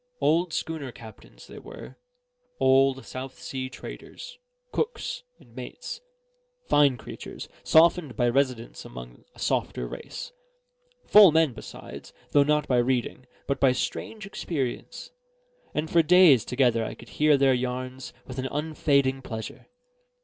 Old schooner captains they were, old South Sea traders, cooks, and mates: fine creatures, softened by residence among a softer race: full men besides, though not by reading, but by strange experience; and for days together I could hear their yarns with an unfading pleasure.